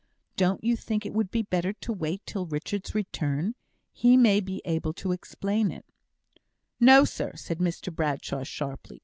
"Don't you think it would be better to wait till Richard's return? He may be able to explain it." "No, sir!" said Mr Bradshaw, sharply.